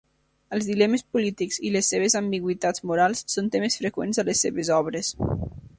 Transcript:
Els dilemes polítics i les seves ambigüitats morals són temes freqüents a les seves obres.